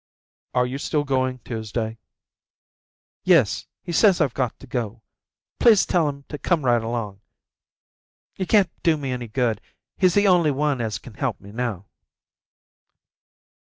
"Are you still going on Tuesday?" "Yes, he says I've got to go. Please tell him to come right along. You can't do me any good. He's the only one as can help me now."